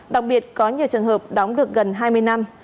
đặc biệt có nhiều trường hợp đóng được gần hai mươi năm